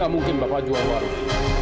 gak mungkin bapak jual warung